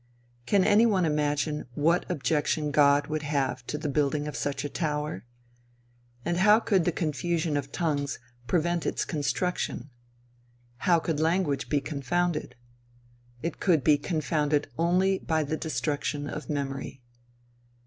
Can any one imagine what objection God would have to the building of such a tower? And how could the confusion of tongues prevent its construction? How could language be confounded? It could be confounded only by the destruction of memory.